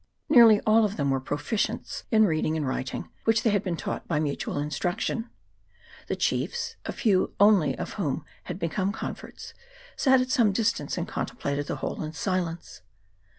Nearly all of them were pro ficients in reading and writing, which they had been taught by mutual instruction. The chiefs, a few only of whom had become converts, sat at some distance, and contemplated the whole in silence.